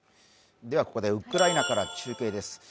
ここでウクライナから中継です。